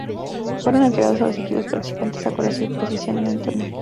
Fueron entregados a los equipos participantes acorde a su posición en el torneo.